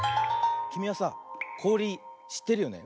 きみはさこおりしってるよね？